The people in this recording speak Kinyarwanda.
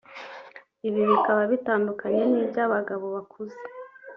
ibi bikaba bitandukanye n’iby’abagabo bakuze